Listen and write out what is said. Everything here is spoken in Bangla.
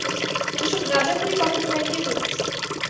এসব গাঁজাখুরি কথা তোমায় কে বলেছে?